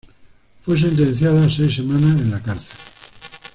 Fue sentenciada a seis semanas en la cárcel.